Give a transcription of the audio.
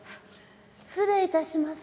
失礼いたします。